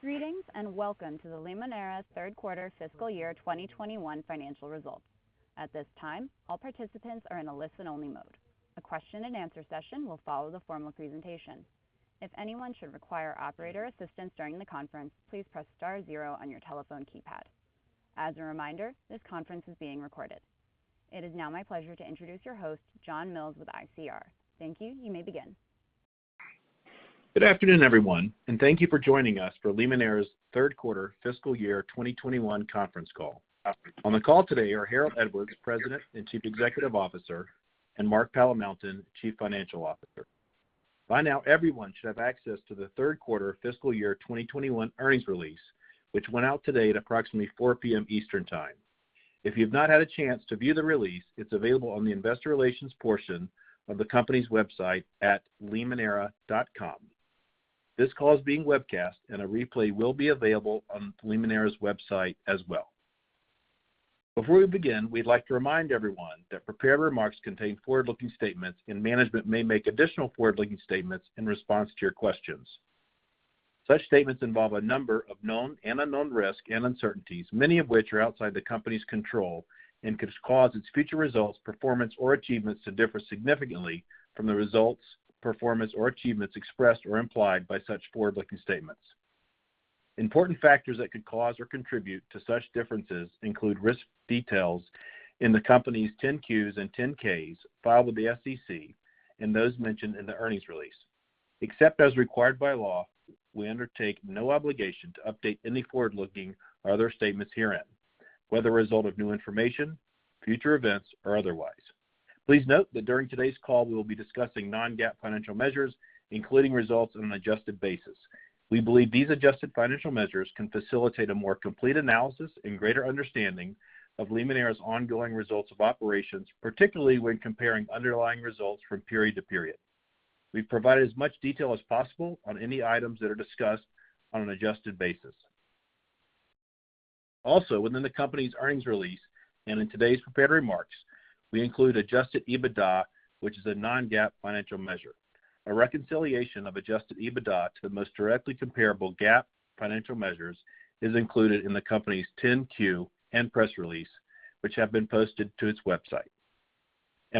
Greetings, and welcome to the Limoneira Q3 Fiscal Year 2021 Financial Results. At this time, all participants are in a listen-only mode. A question-and-answer session will follow the formal presentation. If anyone should require operator assistance during the conference, please press star zero on your telephone keypad. As a reminder, this conference is being recorded. It is now my pleasure to introduce your host, John Mills with ICR. Thank you, you may begin. Good afternoon, everyone, and thank you for joining us for Limoneira's Q3 Fiscal Year 2021 Conference Call. On the call today are Harold Edwards, President and Chief Executive Officer, and Mark Palamountain, Chief Financial Officer. By now, everyone should have access to the Q3 fiscal year 2021 earnings release, which went out today at approximately 4:00 P.M. Eastern Time. If you've not had a chance to view the release, it's available on the investor relations portion of the company's website at limoneira.com. This call is being webcast, and a replay will be available on Limoneira's website as well. Before we begin, we'd like to remind everyone that prepared remarks contain forward-looking statements. Management may make additional forward-looking statements in response to your questions. Such statements involve a number of known and unknown risks and uncertainties, many of which are outside the company's control and could cause its future results, performance, or achievements to differ significantly from the results, performance, or achievements expressed or implied by such forward-looking statements. Important factors that could cause or contribute to such differences include risk details in the company's 10-Q and 10-K filed with the SEC and those mentioned in the earnings release. Except as required by law, we undertake no obligation to update any forward-looking or other statements herein, whether as a result of new information, future events, or otherwise. Please note that during today's call, we will be discussing non-GAAP financial measures, including results on an adjusted basis. We believe these adjusted financial measures can facilitate a more complete analysis and greater understanding of Limoneira's ongoing results of operations, particularly when comparing underlying results from period to period. We've provided as much detail as possible on any items that are discussed on an adjusted basis. Also, within the company's earnings release and in today's prepared remarks, we include Adjusted EBITDA, which is a non-GAAP financial measure. A reconciliation of Adjusted EBITDA to the most directly comparable GAAP financial measures is included in the company's 10-Q and press release, which have been posted to its website.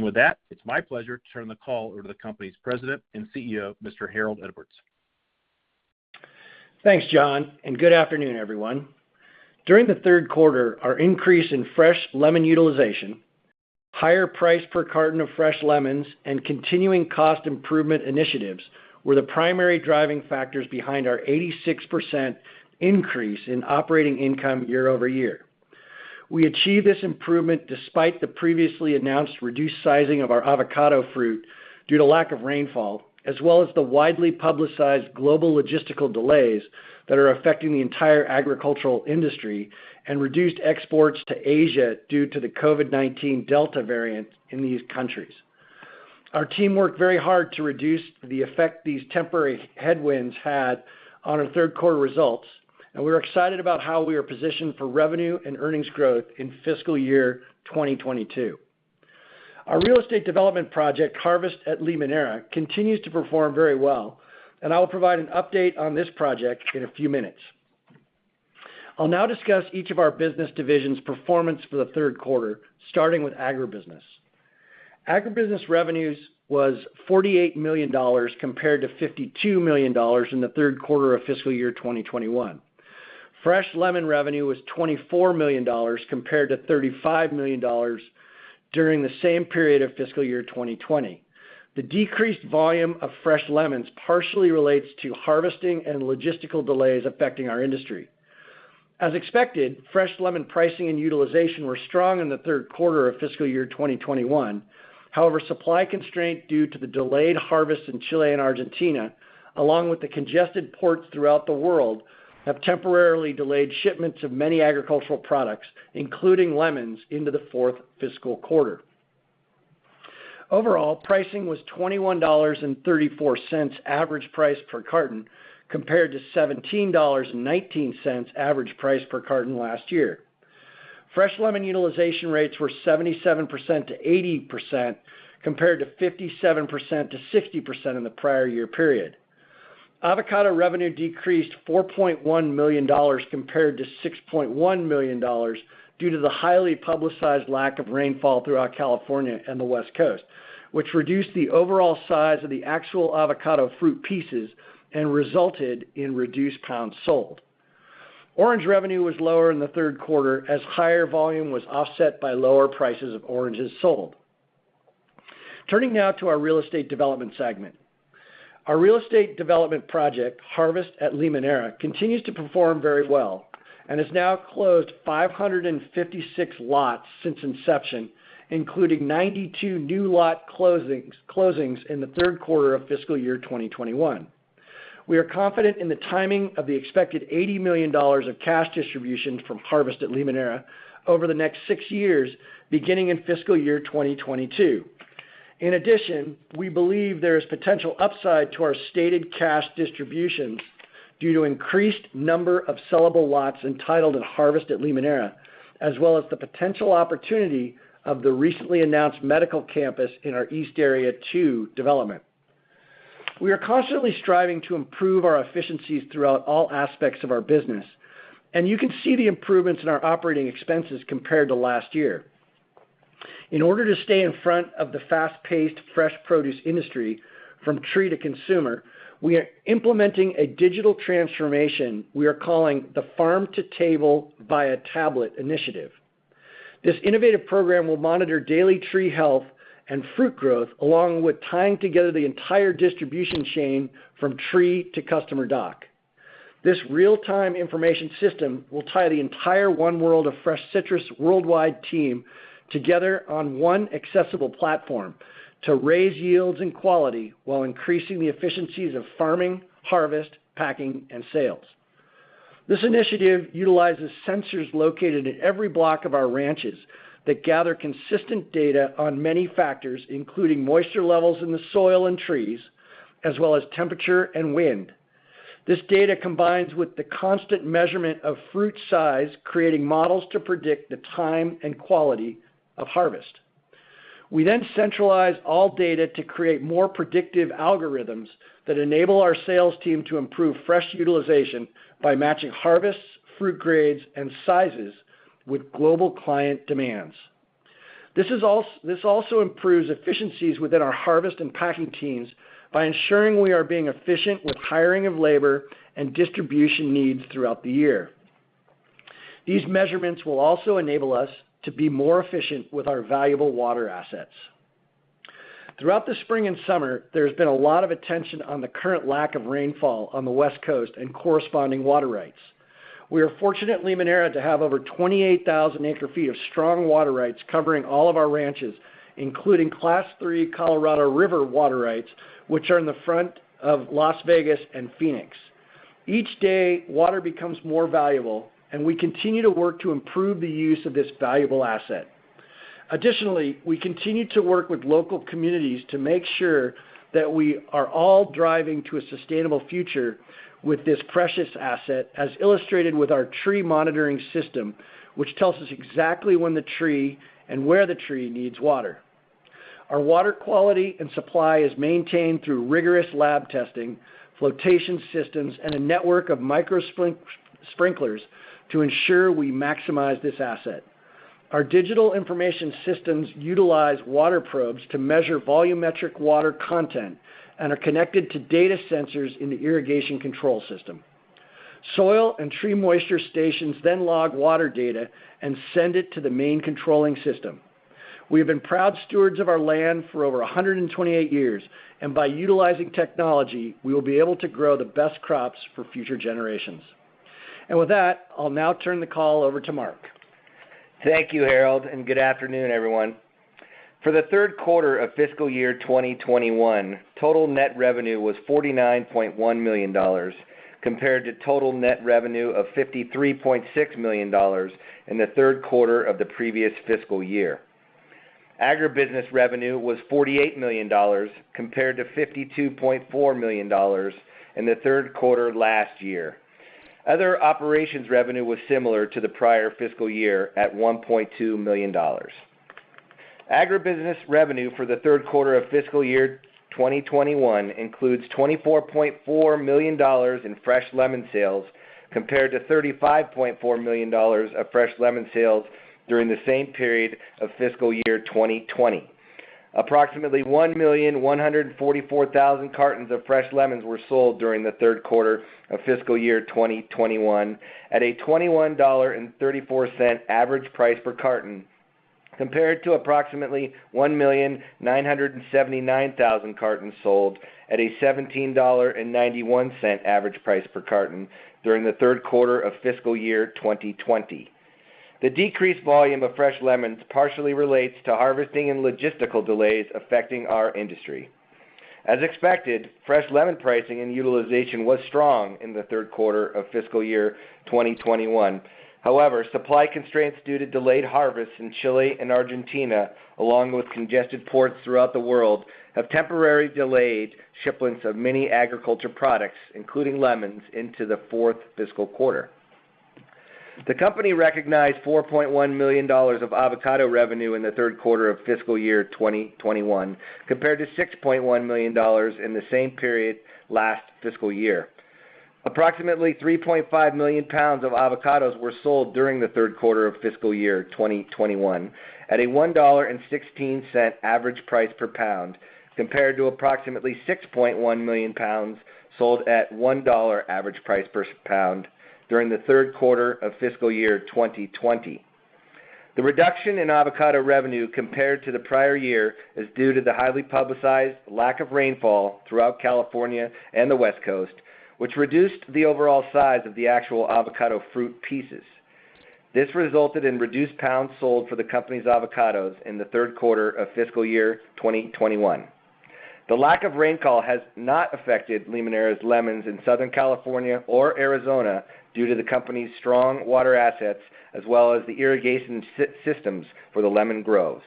With that, it's my pleasure to turn the call over to the company's President and CEO, Mr. Harold Edwards. Thanks, John Mills. Good afternoon, everyone. During the Q3, our increase fresh lemon utilization, higher price per fresh lemons, and continuing cost improvement initiatives were the primary driving factors behind our 86% increase in operating income year-over-year. We achieved this improvement despite the previously announced reduced sizing of our avocado fruit due to lack of rainfall, as well as the widely publicized global logistical delays that are affecting the entire agricultural industry and reduced exports to Asia due to the COVID-19 Delta variant in these countries. Our team worked very hard to reduce the effect these temporary headwinds had on our Q3 results, and we're excited about how we are positioned for revenue and earnings growth in fiscal year 2022. Our Real Estate Development project, Harvest at Limoneira, continues to perform very well, and I will provide an update on this project in a few minutes. I'll now discuss each of our business divisions' performance for the Q3, starting with agribusiness. Agribusiness revenues was $48 million compared to $52 million in the Q3 of fiscal year of 2021. Fresh lemon revenue was $24 million compared to $35 million during the same period of fiscal year 2020. The decreased fresh lemons partially relates to harvesting and logistical delays affecting our industry. As fresh lemon pricing and utilization were strong in the Q3 of fiscal year 2021. However, supply constraints due to the delayed harvest in Chile and Argentina, along with the congested ports throughout the world, have temporarily delayed shipments of many agricultural products, including lemons, into the fourth fiscal quarter. Overall, pricing was $21.34 average price per carton, compared to $17.19 average price per carton last year. Fresh lemon utilization rates were 77%-80%, compared to 57%-60% in the prior year period. Avocado revenue decreased to $4.1 million compared to $6.1 million due to the highly publicized lack of rainfall throughout California and the West Coast, which reduced the overall size of the actual avocado fruit pieces and resulted in reduced pounds sold. Orange revenue was lower in the Q3 as higher volume was offset by lower prices of oranges sold. Turning now to our Real Estate Development segment. Our Real Estate Development project, Harvest at Limoneira, continues to perform very well and has now closed 556 lots since inception, including 92 new lot closings in the Q3 of fiscal year 2021. We are confident in the timing of the expected $80 million of cash distributions from Harvest at Limoneira over the next six years, beginning in fiscal year 2022. In addition, we believe there is potential upside to our stated cash distributions due to increased number of sellable lots entitled at Harvest at Limoneira, as well as the potential opportunity of the recently announced medical campus in our East Area 2 development. We are constantly striving to improve our efficiencies throughout all aspects of our business, and you can see the improvements in our operating expenses compared to last year. In order to stay in front of the fast-paced fresh produce industry from tree to consumer, we are implementing a digital transformation we are calling the Farm to Table via Tablet initiative. This innovative program will monitor daily tree health and fruit growth, along with tying together the entire distribution chain from tree to customer dock. This real-time information system will tie the entire One World of Citrus worldwide team together on one accessible platform to raise yields and quality while increasing the efficiencies of farming, harvest, packing, and sales. This initiative utilizes sensors located in every block of our ranches that gather consistent data on many factors, including moisture levels in the soil and trees, as well as temperature and wind. This data combines with the constant measurement of fruit size, creating models to predict the time and quality of harvest. We then centralize all data to create more predictive algorithms that enable our sales team to improve fresh utilization by matching harvests, fruit grades, and sizes with global client demands. This also improves efficiencies within our harvest and packing teams by ensuring we are being efficient with hiring of labor and distribution needs throughout the year. These measurements will also enable us to be more efficient with our valuable water assets. Throughout the spring and summer, there's been a lot of attention on the current lack of rainfall on the West Coast and corresponding water rights. We are fortunate at Limoneira to have over 28,000 acre-feet of strong water rights covering all of our ranches, including Class 3 Colorado River water rights, which are in the front of Las Vegas and Phoenix. Each day, water becomes more valuable, and we continue to work to improve the use of this valuable asset. Additionally, we continue to work with local communities to make sure that we are all driving to a sustainable future with this precious asset, as illustrated with our tree monitoring system, which tells us exactly when the tree and where the tree needs water. Our water quality and supply is maintained through rigorous lab testing, flotation systems, and a network of micro-sprinklers to ensure we maximize this asset. Our digital information systems utilize water probes to measure volumetric water content and are connected to data sensors in the irrigation control system. Soil and tree moisture stations then log water data and send it to the main controlling system. We have been proud stewards of our land for over 128 years, and by utilizing technology, we will be able to grow the best crops for future generations. With that, I'll now turn the call over to Mark. Thank you, Harold, and good afternoon, everyone. For the Q3 of fiscal year 2021, total net revenue was $49.1 million, compared to total net revenue of $53.6 million in the Q3 of the previous fiscal year. Agribusiness revenue was $48 million, compared to $52.4 million in the Q3 last year. Other operations revenue was similar to the prior fiscal year at $1.2 million. Agribusiness revenue for the Q3 of fiscal year 2021 includes $24.4 million fresh lemon sales, compared to $35.4 million fresh lemon sales during the same period of fiscal year 2020. Approximately 1,144,000 fresh lemons were sold during the Q3 of fiscal year 2021 at a $21.34 average price per carton, compared to approximately 1,979,000 cartons sold at a $17.91 average price per carton during the Q3 of fiscal year 2020. The decreased fresh lemons partially relates to harvesting and logistical delays affecting our industry. As fresh lemon pricing and utilization was strong in the Q3 of fiscal year 2021. Supply constraints due to delayed harvests in Chile and Argentina, along with congested ports throughout the world, have temporarily delayed shipments of many agriculture products, including lemons, into the fourth fiscal quarter. The company recognized $4.1 million of avocado revenue in the Q3 of fiscal year 2021, compared to $6.1 million in the same period last fiscal year. Approximately 3.5 million pounds of avocados were sold during the Q3 of fiscal year 2021 at a $1.16 average price per pound, compared to approximately 6.1 million pounds sold at $1 average price per pound during the Q3 of fiscal year 2020. The reduction in avocado revenue compared to the prior year is due to the highly publicized lack of rainfall throughout California and the West Coast, which reduced the overall size of the actual avocado fruit pieces. This resulted in reduced pounds sold for the company's avocados in the Q3 of fiscal year 2021. The lack of rainfall has not affected Limoneira's lemons in Southern California or Arizona due to the company's strong water assets as well as the irrigation systems for the lemon groves.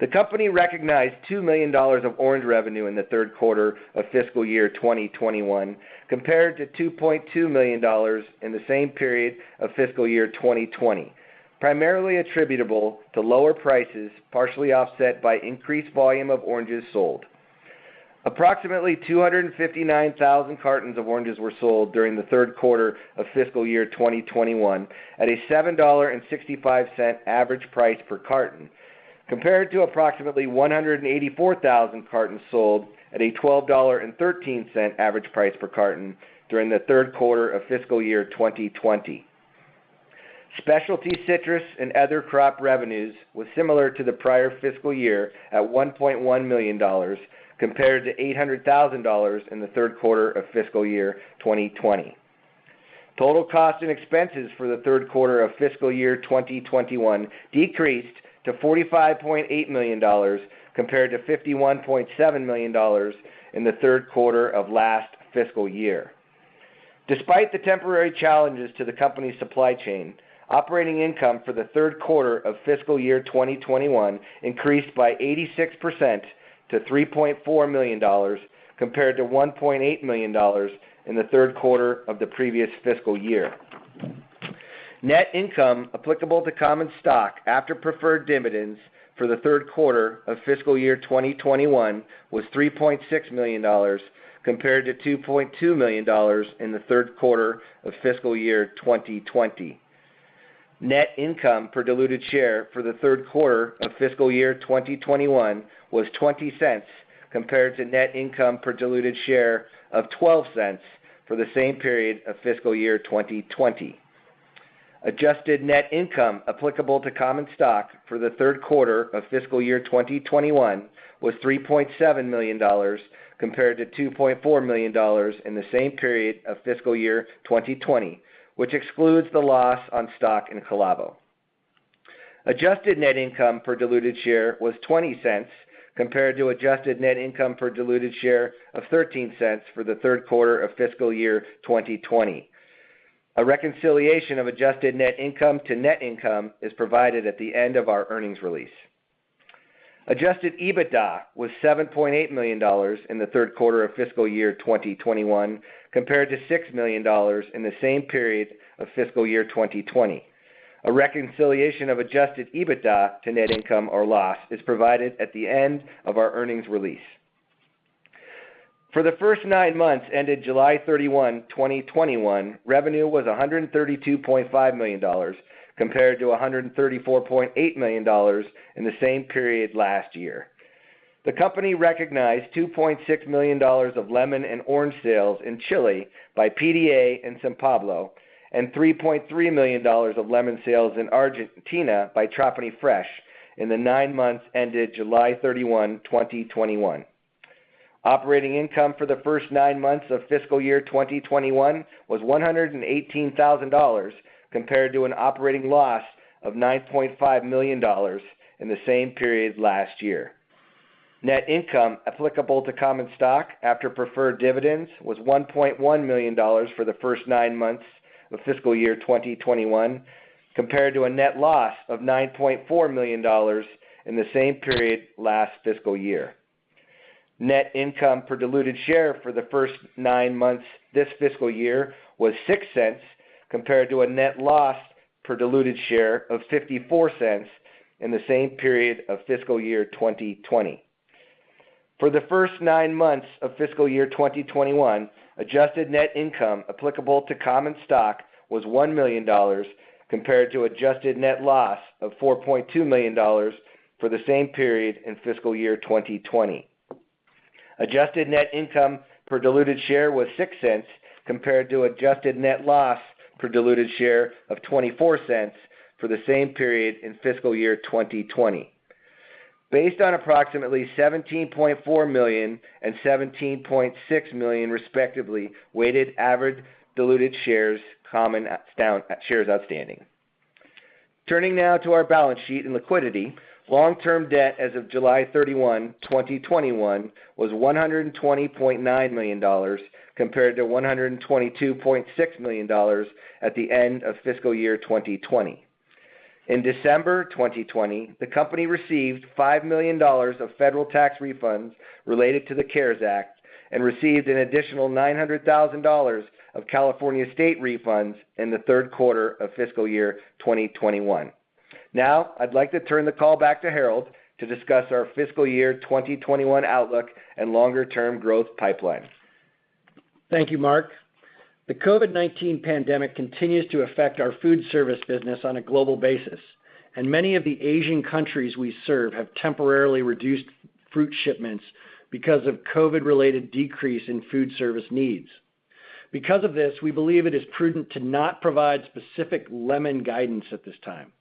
The company recognized $2 million of Orange revenue in the Q3 of fiscal year 2021, compared to $2.2 million in the same period of fiscal year 2020, primarily attributable to lower prices, partially offset by increased volume of oranges sold. Approximately 259,000 cartons of oranges were sold during the Q3 of fiscal year 2021 at a $7.65 average price per carton, compared to approximately 184,000 cartons sold at a $12.13 average price per carton during the Q3 of fiscal year 2020. Specialty citrus and other crop revenues were similar to the prior fiscal year at $1.1 million, compared to $800,000 in the Q3 of fiscal year 2020. Total costs and expenses for the Q3 of fiscal year 2021 decreased to $45.8 million, compared to $51.7 million in the Q3 of last fiscal year. Despite the temporary challenges to the company's supply chain, operating income for the Q3 of fiscal year 2021 increased by 86% to $3.4 million, compared to $1.8 million in the Q3 of the previous fiscal year. Net income applicable to common stock after preferred dividends for the Q3 of fiscal year 2021 was $3.6 million, compared to $2.2 million in the Q3 of fiscal year 2020. Net income per diluted share for the Q3 of fiscal year 2021 was $0.20, compared to net income per diluted share of $0.12 for the same period of fiscal year 2020. Adjusted net income applicable to common stock for the Q3 of fiscal year 2021 was $3.7 million, compared to $2.4 million in the same period of fiscal year 2020, which excludes the loss on stock in Calavo. Adjusted net income per diluted share was $0.20, compared to adjusted net income per diluted share of $0.13 for the Q3 of fiscal year 2020. A reconciliation of adjusted net income to net income is provided at the end of our earnings release. Adjusted EBITDA was $7.8 million in the Q3 of fiscal year 2021, compared to $6 million in the same period of fiscal year 2020. A reconciliation of Adjusted EBITDA to net income or loss is provided at the end of our earnings release. For the first nine months ended July 31, 2021, revenue was $132.5 million compared to $134.8 million in the same period last year. The company recognized $2.6 million of lemon and orange sales in Chile by PDA and San Pablo, and $3.3 million of lemon sales in Argentina by Trapani Fresh in the nine months ended July 31, 2021. Operating income for the first nine months of fiscal year 2021 was $118,000, compared to an operating loss of $9.5 million in the same period last year. Net income applicable to common stock after preferred dividends was $1.1 million for the first nine months of fiscal year 2021, compared to a net loss of $9.4 million in the same period last fiscal year. Net income per diluted share for the first nine months this fiscal year was $0.06, compared to a net loss per diluted share of $0.54 in the same period of fiscal year 2020. For the first nine months of fiscal year 2021, adjusted net income applicable to common stock was $1 million, compared to adjusted net loss of $4.2 million for the same period in fiscal year 2020. Adjusted net income per diluted share was $0.06, compared to adjusted net loss per diluted share of $0.24 for the same period in fiscal year 2020. Based on approximately 17.4 million and 17.6 million respectively, weighted average diluted shares, common shares outstanding. Turning now to our balance sheet and liquidity. Long-term debt as of July 31, 2021 was $120.9 million, compared to $122.6 million at the end of fiscal year 2020. In December 2020, the company received $5 million of federal tax refunds related to the CARES Act and received an additional $900,000 of California State refunds in the Q3 of fiscal year 2021. I'd like to turn the call back to Harold to discuss our fiscal year 2021 outlook and longer-term growth pipeline. Thank you, Mark. The COVID-19 pandemic continues to affect our food service business on a global basis, and many of the Asian countries we serve have temporarily reduced fruit shipments because of COVID-related decrease in food service needs. Because of this, we believe it is prudent to not provide specific lemon guidance at this time.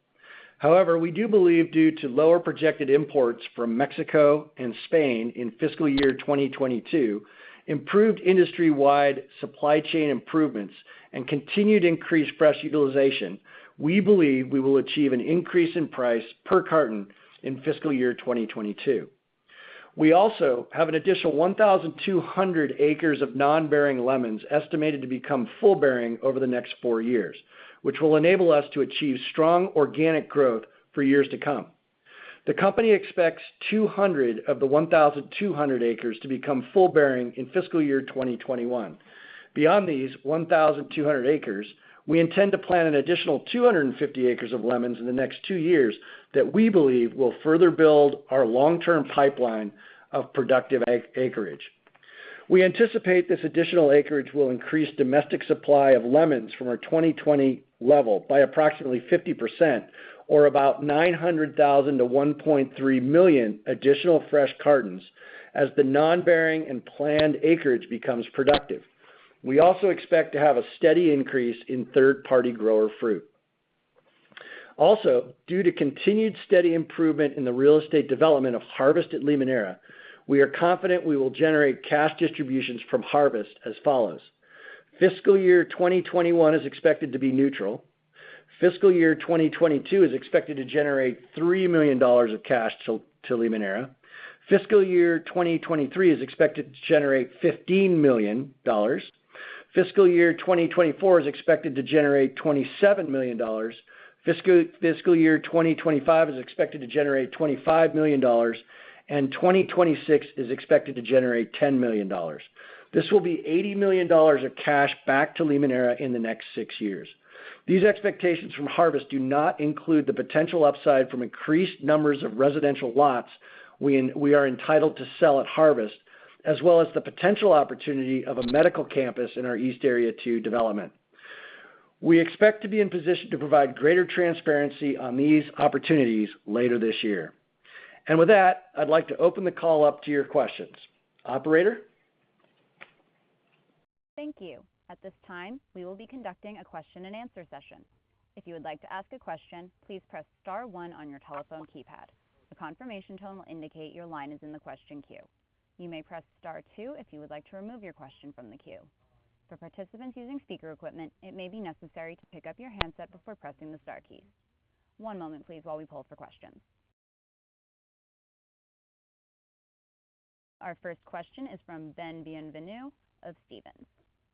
However, we do believe due to lower projected imports from Mexico and Spain in fiscal year 2022, improved industry-wide supply chain improvements, and continued increased fresh utilization, we believe we will achieve an increase in price per carton in fiscal year 2022. We also have an additional 1,200 acres of non-bearing lemons estimated to become full-bearing over the next four years, which will enable us to achieve strong organic growth for years to come. The company expects 200 of the 1,200 acres to become full-bearing in fiscal year 2021. Beyond these 1,200 acres, we intend to plant an additional 250 acres of lemons in the next two years that we believe will further build our long-term pipeline of productive acreage. We anticipate this additional acreage will increase domestic supply of lemons from our 2020 level by approximately 50%, or about 900,000 to 1.3 million additional fresh cartons, as the non-bearing and planned acreage becomes productive. We also expect to have a steady increase in third-party grower fruit. Also, due to continued steady improvement in the Real Estate Development of Harvest at Limoneira, we are confident we will generate cash distributions from Harvest as follows. Fiscal year 2021 is expected to be neutral. Fiscal year 2022 is expected to generate $3 million of cash to Limoneira. Fiscal year 2023 is expected to generate $15 million. Fiscal year 2024 is expected to generate $27 million. Fiscal year 2025 is expected to generate $25 million, 2026 is expected to generate $10 million. This will be $80 million of cash back to Limoneira in the next six years. These expectations from Harvest do not include the potential upside from increased numbers of residential lots we are entitled to sell at Harvest, as well as the potential opportunity of a medical campus in our East Area 2 development. We expect to be in position to provide greater transparency on these opportunities later this year. With that, I'd like to open the call up to your questions. Operator? Thank you. At this time, we will be conducting a question-and-answer session. If you would like to ask a question, please press star one on your telephone keypad. The confirmation tone will indicate your line is in the question queue. You may press star two if you would like to remove your question from the queue. For participants using speaker equipment, it may be necessary to pick up your handset before pressing the star key. One moment, please, while we poll for questions. Our first question is from Ben Bienvenu of Stephens.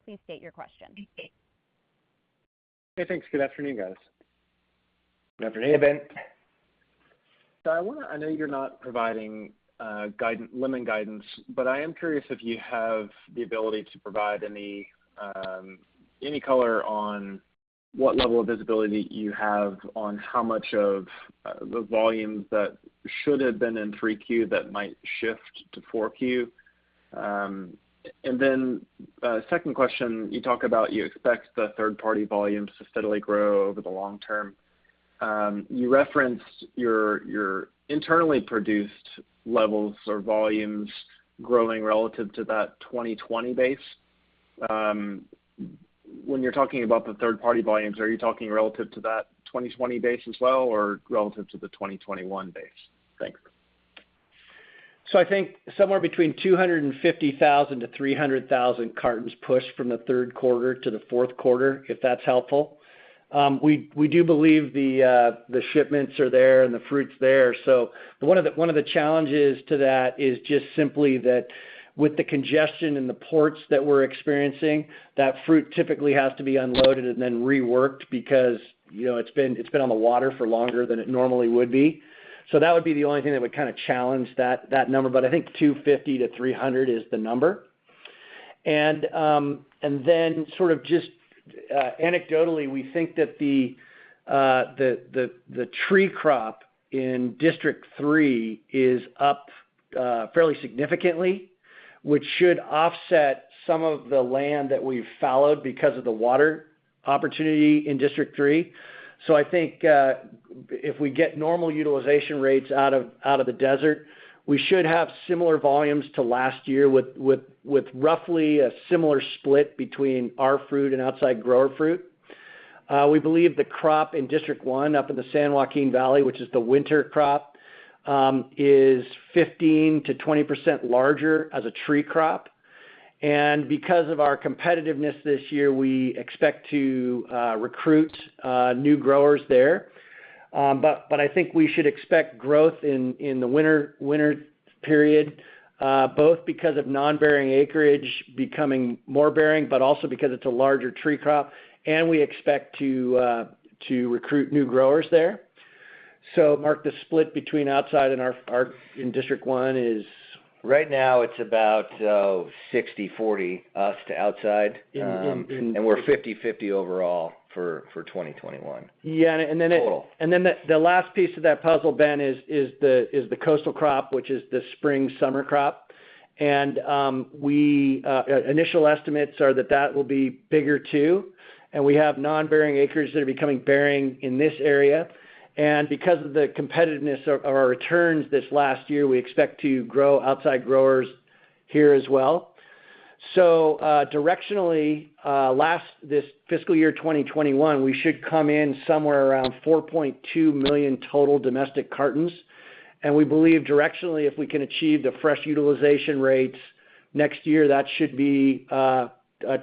Please state your question. Hey, thanks. Good afternoon, guys. Good afternoon, Ben. I know you're not providing lemon guidance, but I am curious if you have the ability to provide any color on what level of visibility you have on how much of the volumes that should have been in 3Q that might shift to 4Q. Second question, you talk about you expect the third-party volumes to steadily grow over the long term. You referenced your internally produced levels or volumes growing relative to that 2020 base. When you're talking about the third-party volumes, are you talking relative to that 2020 base as well, or relative to the 2021 base? Thanks. I think somewhere between 250,000 to 300,000 cartons push from the Q3 to the Q4, if that's helpful. We do believe the shipments are there and the fruit's there. One of the challenges to that is just simply that with the congestion in the ports that we're experiencing, that fruit typically has to be unloaded and then reworked because it's been on the water for longer than it normally would be. That would be the only thing that would kind of challenge that number, but I think 250-300 is the number. Sort of just anecdotally, we think that the tree crop in District 3 is up fairly significantly, which should offset some of the land that we've fallowed because of the water opportunity in District 3. I think if we get normal utilization rates out of the desert, we should have similar volumes to last year with roughly a similar split between our fruit and outside grower fruit. We believe the crop in District 1 up in the San Joaquin Valley, which is the winter crop, is 15%-20% larger as a tree crop. Because of our competitiveness this year, we expect to recruit new growers there. I think we should expect growth in the winter period both because of non-bearing acreage becoming more bearing, also because it's a larger tree crop, and we expect to recruit new growers there. Mark, the split between outside and District 1 is? Right now it's about 60/40 us to outside. In- We're 50/50 overall for 2021. Yeah. Total. The last piece of that puzzle, Ben, is the coastal crop, which is the spring summer crop. Initial estimates are that that will be bigger, too. We have non-bearing acres that are becoming bearing in this area. Because of the competitiveness of our returns this last year, we expect to grow outside growers here as well. Directionally, this fiscal year 2021, we should come in somewhere around 4.2 million total domestic cartons. We believe directionally, if we can achieve the fresh utilization rates next year, that should be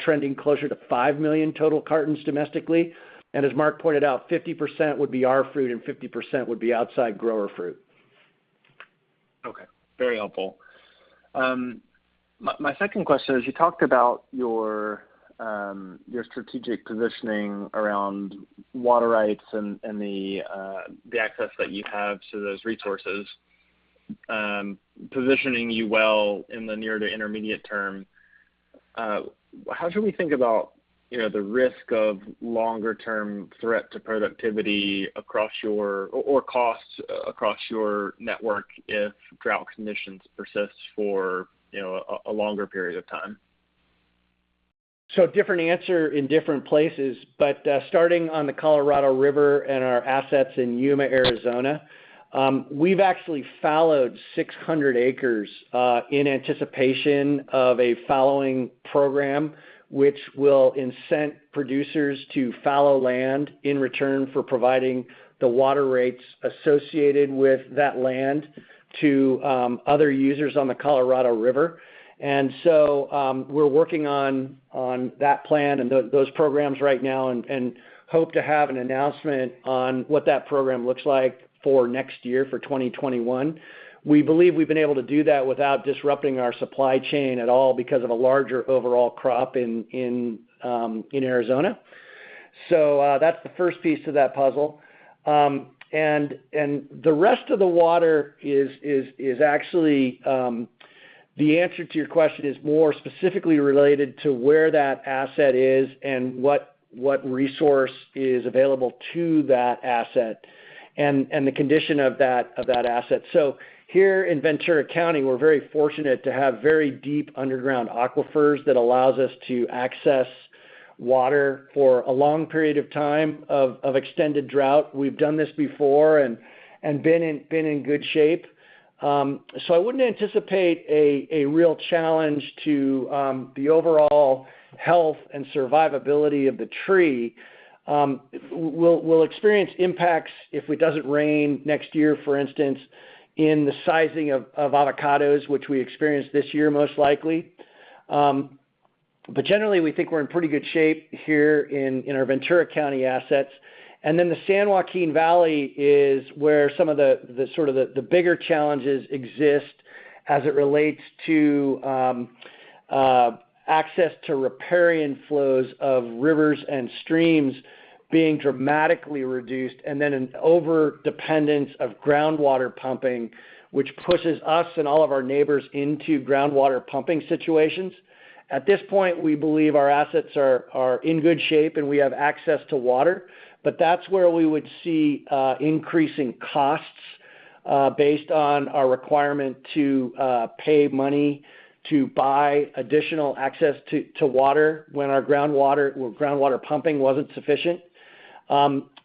trending closer to five million total cartons domestically. As Mark pointed out, 50% would be our fruit and 50% would be outside grower fruit. Okay. Very helpful. My second question is, you talked about your strategic positioning around water rights and the access that you have to those resources positioning you well in the near to intermediate term. How should we think about the risk of longer term threat to productivity or costs across your network if drought conditions persist for a longer period of time? Different answer in different places, but starting on the Colorado River and our assets in Yuma, Arizona, we've actually fallowed 600 acres in anticipation of a fallowing program which will incent producers to fallow land in return for providing the water rates associated with that land to other users on the Colorado River. We're working on that plan and those programs right now and hope to have an announcement on what that program looks like for next year, for 2021. We believe we've been able to do that without disrupting our supply chain at all because of a larger overall crop in Arizona. That's the first piece to that puzzle. The rest of the water is actually, the answer to your question is more specifically related to where that asset is and what resource is available to that asset and the condition of that asset. Here in Ventura County, we're very fortunate to have very deep underground aquifers that allows us to access water for a long period of time of extended drought. We've done this before and been in good shape. I wouldn't anticipate a real challenge to the overall health and survivability of the tree. We'll experience impacts if it doesn't rain next year, for instance, in the sizing of avocados, which we experienced this year, most likely. Generally, we think we're in pretty good shape here in our Ventura County assets. The San Joaquin Valley is where some of the bigger challenges exist as it relates to access to riparian flows of rivers and streams being dramatically reduced, and then an overdependence of groundwater pumping, which pushes us and all of our neighbors into groundwater pumping situations. At this point, we believe our assets are in good shape and we have access to water, but that's where we would see increasing costs based on our requirement to pay money to buy additional access to water when our groundwater pumping wasn't sufficient.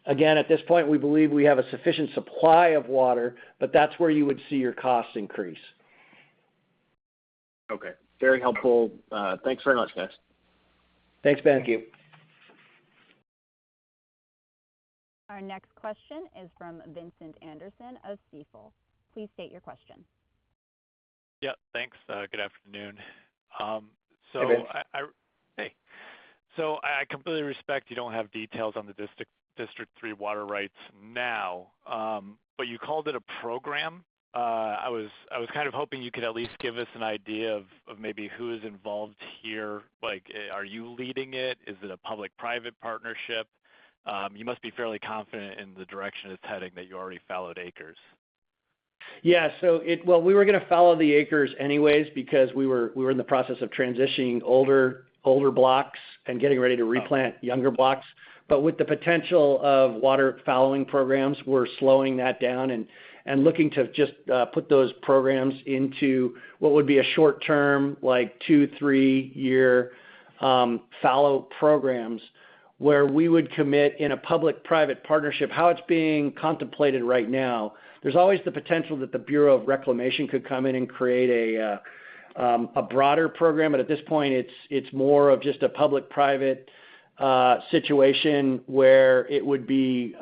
Again, at this point, we believe we have a sufficient supply of water, but that's where you would see your costs increase. Okay. Very helpful. Thanks very much, guys. Thanks, Ben. Thank you. Our next question is from Vincent Anderson of Stifel. Please state your question. Yeah, thanks. Good afternoon. Hey, Vince. Hey. I completely respect you don't have details on the District 3 water rights now, but you called it a program. I was kind of hoping you could at least give us an idea of maybe who is involved here. Are you leading it? Is it a public-private partnership? You must be fairly confident in the direction it's heading that you already fallowed acres. Yeah. Well, we were going to fallow the acres anyways because we were in the process of transitioning older blocks and getting ready to replant younger blocks. With the potential of water fallowing programs, we're slowing that down and looking to just put those programs into what would be a short term, like two, three-year fallow programs where we would commit in a public-private partnership, how it's being contemplated right now. There's always the potential that the Bureau of Reclamation could come in and create a broader program, but at this point, it's more of just a public-private situation where it would be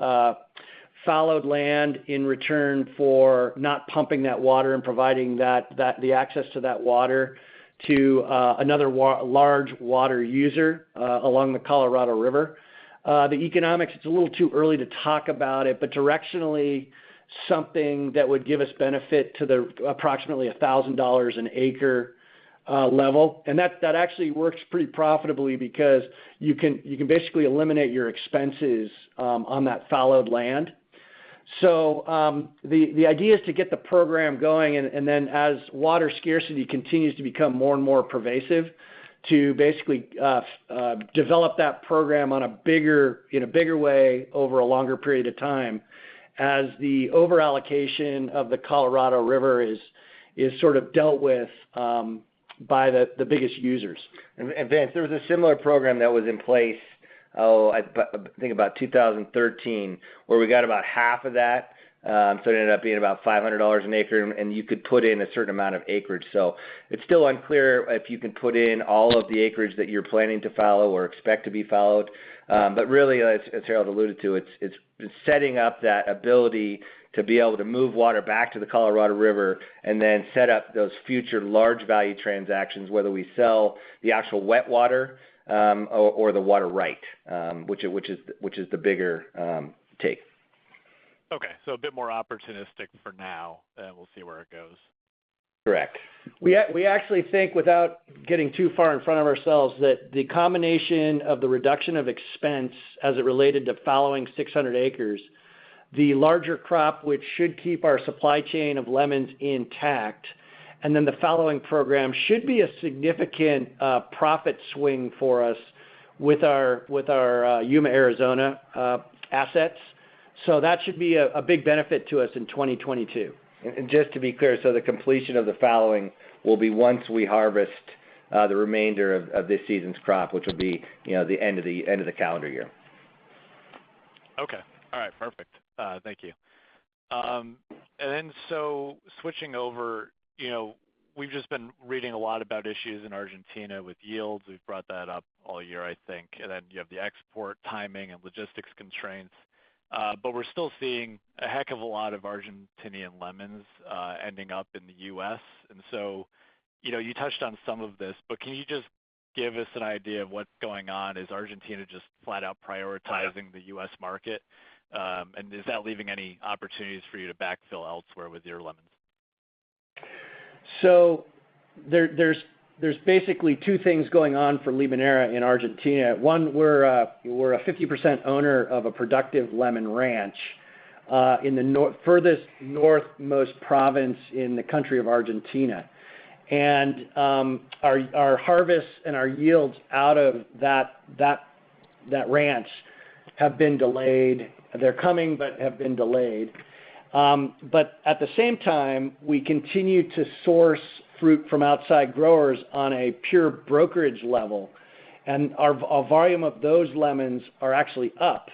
fallowed land in return for not pumping that water and providing the access to that water to another large water user along the Colorado River. The economics, it's a little too early to talk about it, but directionally, something that would give us benefit to the approximately $1,000 an acre level. That actually works pretty profitably because you can basically eliminate your expenses on that fallowed land. The idea is to get the program going, and then as water scarcity continues to become more and more pervasive, to basically develop that program in a bigger way over a longer period of time as the over-allocation of the Colorado River is sort of dealt with by the biggest users. Vince, there was a similar program that was in place, oh, I think about 2013, where we got about half of that. It ended up being about $500 an acre, and you could put in a certain amount of acreage. It's still unclear if you can put in all of the acreage that you're planning to fallow or expect to be fallowed. Really, as Harold alluded to, it's been setting up that ability to be able to move water back to the Colorado River and then set up those future large value transactions, whether we sell the actual wet water or the water right, which is the bigger take. Okay. A bit more opportunistic for now, and we'll see where it goes. Correct We actually think, without getting too far in front of ourselves, that the combination of the reduction of expense as it related to fallowing 600 acres, the larger crop, which should keep our supply chain of lemons intact, and then the fallowing program should be a significant profit swing for us with our Yuma, Arizona assets. That should be a big benefit to us in 2022. Just to be clear, the completion of the fallowing will be once we harvest the remainder of this season's crop, which will be the end of the calendar year. Okay. All right, perfect. Thank you. Switching over, we've just been reading a lot about issues in Argentina with yields. We've brought that up all year, I think. You have the export timing and logistics constraints. We're still seeing a heck of a lot of Argentinean lemons ending up in the U.S. You touched on some of this, but can you just give us an idea of what's going on? Is Argentina just flat out prioritizing the US market? Is that leaving any opportunities for you to backfill elsewhere with your lemons? There's basically two things going on for Limoneira in Argentina. One, we're a 50% owner of a productive lemon ranch in the furthest northmost province in the country of Argentina. Our harvests and our yields out of that ranch have been delayed. They're coming, but have been delayed. At the same time, we continue to source fruit from outside growers on a pure brokerage level. Our volume of those lemons are actually up.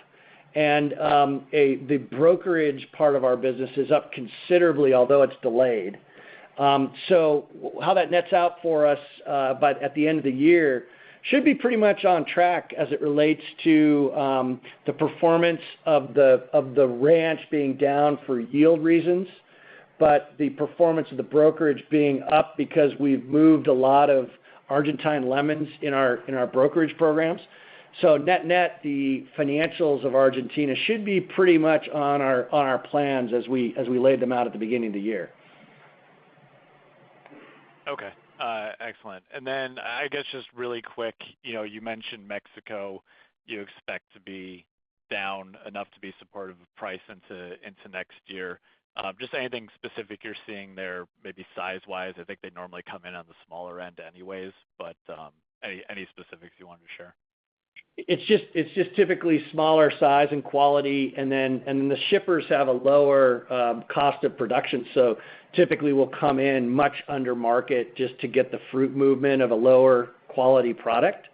The brokerage part of our business is up considerably, although it's delayed. How that nets out for us by at the end of the year should be pretty much on track as it relates to the performance of the ranch being down for yield reasons, but the performance of the brokerage being up because we've moved a lot of Argentine lemons in our brokerage programs. Net-net, the financials of Argentina should be pretty much on our plans as we laid them out at the beginning of the year. Okay. Excellent. I guess just really quick, you mentioned Mexico you expect to be down enough to be supportive of price into next year. Anything specific you're seeing there, maybe size-wise? I think they normally come in on the smaller end anyways. Any specifics you wanted to share? It's just typically smaller size and quality, and then the shippers have a lower cost of production, so typically will come in much under market just to get the fruit movement of a lower quality product.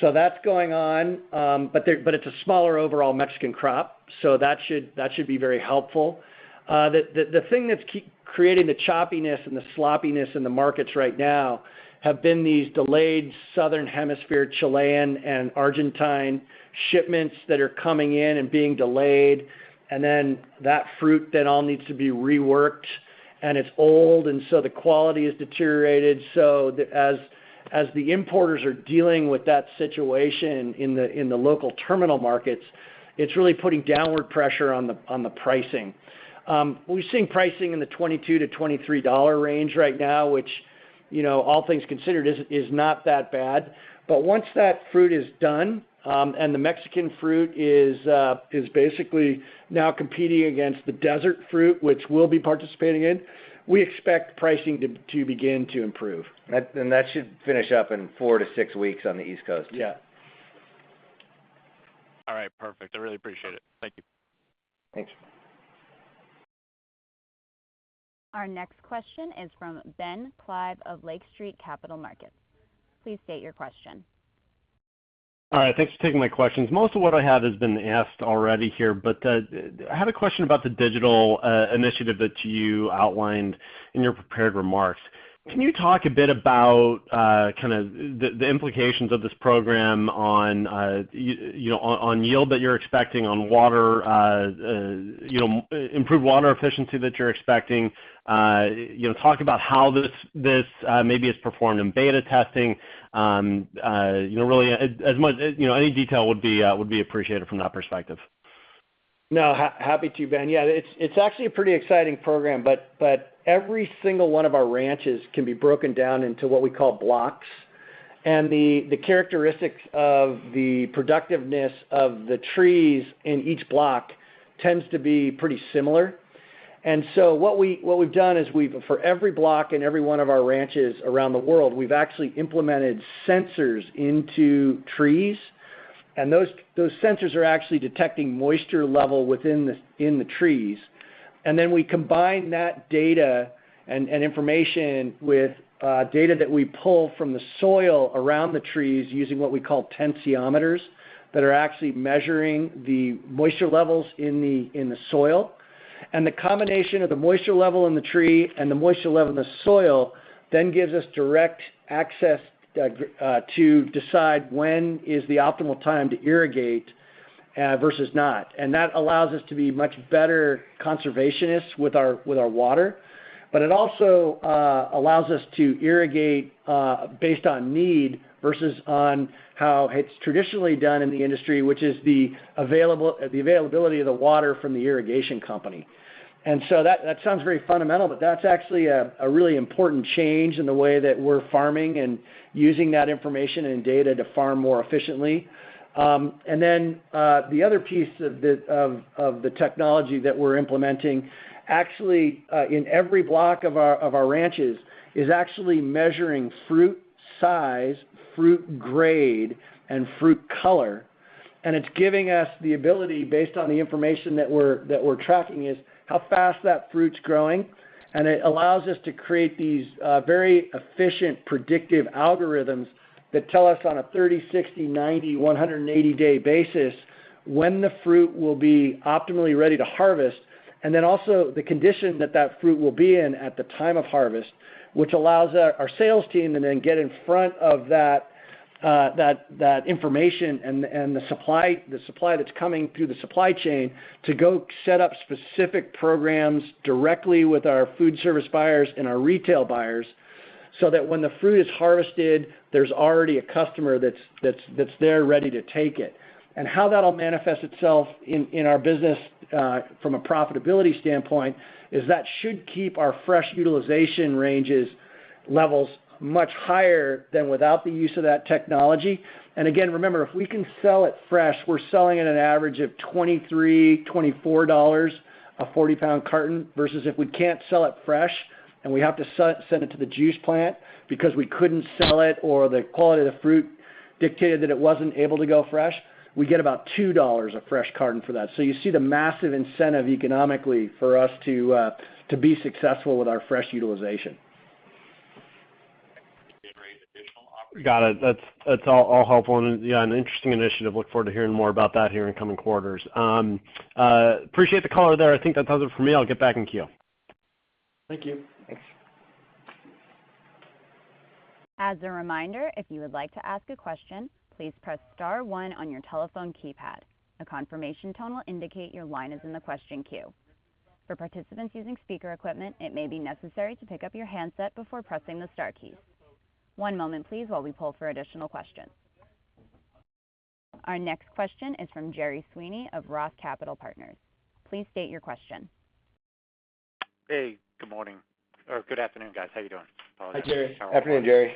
That's going on, but it's a smaller overall Mexican crop, so that should be very helpful. The thing that's creating the choppiness and the sloppiness in the markets right now have been these delayed southern hemisphere Chilean and Argentine shipments that are coming in and being delayed, and then that fruit then all needs to be reworked, and it's old, and so the quality is deteriorated. As the importers are dealing with that situation in the local terminal markets, it's really putting downward pressure on the pricing. We're seeing pricing in the $22-$23 range right now, which all things considered, is not that bad. Once that fruit is done, and the Mexican fruit is basically now competing against the desert fruit, which we'll be participating in, we expect pricing to begin to improve. That should finish up in four to six weeks on the East Coast. Yeah. All right, perfect. I really appreciate it. Thank you. Thanks. Our next question is from Ben Klieve of Lake Street Capital Markets. Please state your question. All right, thanks for taking my questions. Most of what I have has been asked already here, I had a question about the digital initiative that you outlined in your prepared remarks. Can you talk a bit about the implications of this program on yield that you're expecting on improved water efficiency that you're expecting? Talk about how this maybe has performed in beta testing. Really any detail would be appreciated from that perspective. No, happy to, Ben. Yeah, it's actually a pretty exciting program, but every single one of our ranches can be broken down into what we call blocks. The characteristics of the productiveness of the trees in each block tends to be pretty similar. What we've done is for every block in every one of our ranches around the world, we've actually implemented sensors into trees, and those sensors are actually detecting moisture level in the trees. We combine that data and information with data that we pull from the soil around the trees using what we call tensiometers that are actually measuring the moisture levels in the soil. The combination of the moisture level in the tree and the moisture level in the soil then gives us direct access to decide when is the optimal time to irrigate versus not. That allows us to be much better conservationists with our water. It also allows us to irrigate based on need versus on how it's traditionally done in the industry, which is the availability of the water from the irrigation company. That sounds very fundamental, but that's actually a really important change in the way that we're farming and using that information and data to farm more efficiently. The other piece of the technology that we're implementing, actually in every block of our ranches, is actually measuring fruit size, fruit grade, and fruit color. It's giving us the ability, based on the information that we're tracking, is how fast that fruit's growing. It allows us to create these very efficient predictive algorithms that tell us on a 30, 60, 90, 180-day basis when the fruit will be optimally ready to harvest, and then also the condition that that fruit will be in at the time of harvest, which allows our sales team to then get in front of that information and the supply that's coming through the supply chain to go set up specific programs directly with our food service buyers and our retail buyers, so that when the fruit is harvested, there's already a customer that's there ready to take it. How that'll manifest itself in our business from a profitability standpoint is that should keep our fresh utilization ranges levels much higher than without the use of that technology. Again, remember, if we can sell it fresh, we're selling at an average of $23, $24 a 40-pound carton, versus if we can't sell it fresh and we have to send it to the juice plant because we couldn't sell it or the quality of the fruit dictated that it wasn't able to go fresh, we get about $2 a fresh carton for that. You see the massive incentive economically for us to be successful with our fresh utilization. Generate additional opportunities- Got it. That's all helpful and yeah, an interesting initiative. Look forward to hearing more about that here in coming quarters. Appreciate the color there. I think that does it for me. I'll get back in queue. Thank you. Thanks. As a reminder, if you would like to ask a question, please press star one on your telephone keypad. A confirmation tone will indicate your line is in the question queue. For participants using speaker equipment, it may be necessary to pick up your handset before pressing the star key. One moment please while we pull for additional questions. Our next question is from Gerry Sweeney of Roth Capital Partners. Please state your question. Hey, good morning. Good afternoon, guys. How you doing? Apologize. Hi, Gerry. Afternoon, Gerry.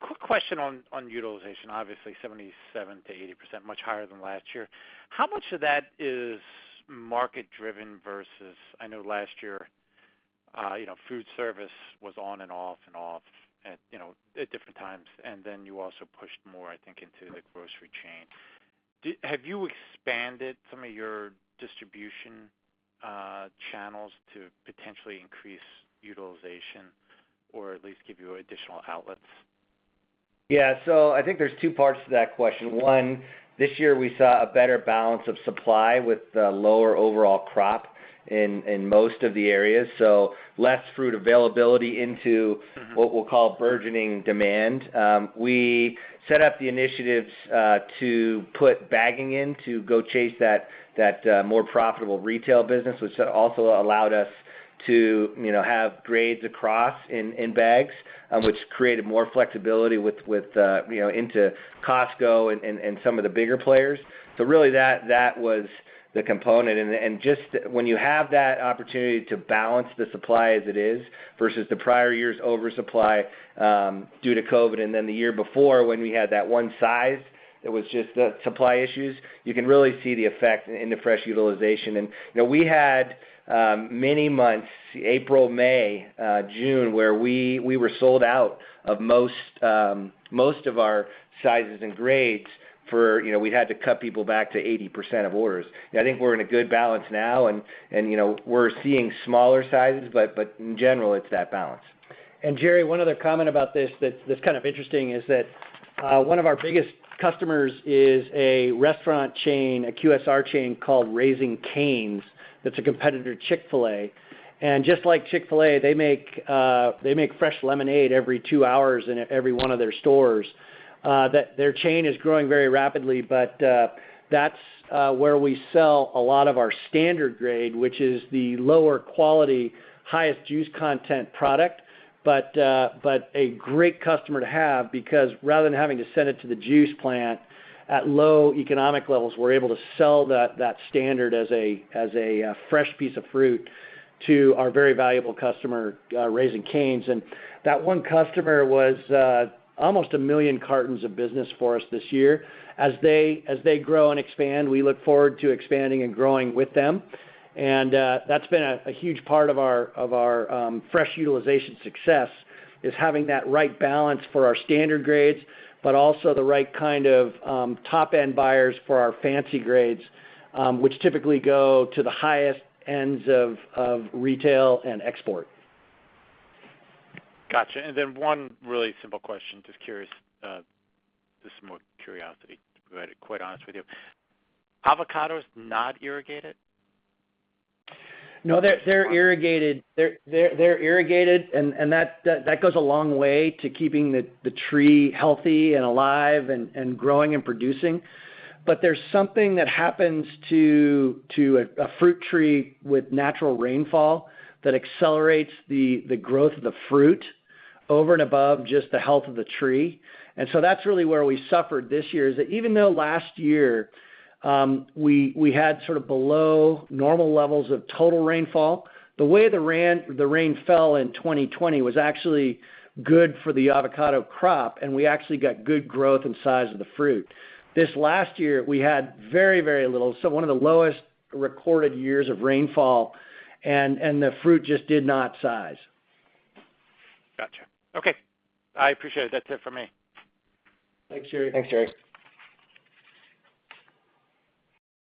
Quick question on utilization. Obviously 77%-80%, much higher than last year. How much of that is market driven versus, I know last year food service was on and off and off at different times, and then you also pushed more, I think, into the grocery chain. Have you expanded some of your distribution channels to potentially increase utilization or at least give you additional outlets? Yeah. I think there's two parts to that question. One, this year we saw a better balance of supply with the lower overall crop in most of the areas. Less fruit availability into what we'll call burgeoning demand. We set up the initiatives to put bagging in to go chase that more profitable retail business, which also allowed us to have grades across in bags, which created more flexibility into Costco and some of the bigger players. Really that was the component, and just when you have that opportunity to balance the supply as it is versus the prior year's oversupply due to COVID, and then the year before when we had that one size that was just the supply issues, you can really see the effect in the fresh utilization. We had many months, April, May, June, where we were sold out of most of our sizes and grades for we had to cut people back to 80% of orders. I think we're in a good balance now. We're seeing smaller sizes, but in general, it's that balance. Gerry, one other comment about this that's kind of interesting is that one of our biggest customers is a restaurant chain, a QSR chain called Raising Cane's, that's a competitor to Chick-fil-A. Just like Chick-fil-A, they fresh lemonade every two hours in every one of their stores. Their chain is growing very rapidly, that's where we sell a lot of our standard grade, which is the lower quality, highest juice content product. A great customer to have because rather than having to send it to the juice plant at low economic levels, we're able to sell that standard as a fresh piece of fruit to our very valuable customer, Raising Cane's. That one customer was almost a million cartons of business for us this year. As they grow and expand, we look forward to expanding and growing with them. That's been a huge part of our fresh utilization success is having that right balance for our standard grades, but also the right kind of top-end buyers for our fancy grades, which typically go to the highest ends of retail and export. Got you. One really simple question, just curious. This is more curiosity, to be quite honest with you. Avocados not irrigated? No, they're irrigated. They're irrigated and that goes a long way to keeping the tree healthy and alive and growing and producing. There's something that happens to a fruit tree with natural rainfall that accelerates the growth of the fruit over and above just the health of the tree. That's really where we suffered this year is that even though last year we had sort of below normal levels of total rainfall, the way the rain fell in 2020 was actually good for the avocado crop, and we actually got good growth and size of the fruit. This last year, we had very, very little, so one of the lowest recorded years of rainfall, and the fruit just did not size. Got you. Okay. I appreciate it. That's it for me. Thanks, Gerard. Thanks, Gerard.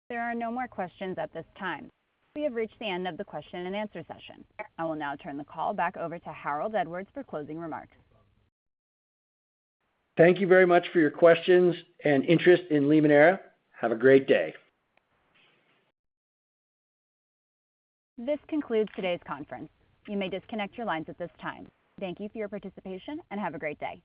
There are no more questions at this time. We have reached the end of the question-and-answer session. I will now turn the call back over to Harold Edwards for closing remarks. Thank you very much for your questions and interest in Limoneira. Have a great day. This concludes today's conference. You may disconnect your lines at this time. Thank you for your participation, and have a great day.